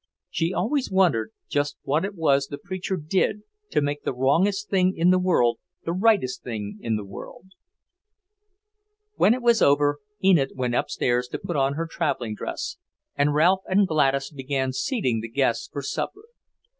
She always wondered just what it was the preacher did to make the wrongest thing in the world the rightest thing in the world. When it was over, Enid went upstairs to put on her travelling dress, and Ralph and Gladys began seating the guests for supper.